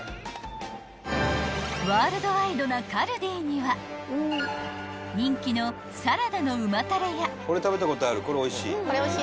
［ワールドワイドなカルディには人気のサラダの旨たれや］